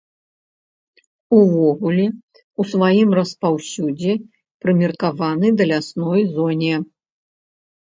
Увогуле, у сваім распаўсюдзе прымеркаваны да лясной зоне.